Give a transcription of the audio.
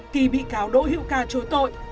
thì bị cáo đội hiệu ca chối tội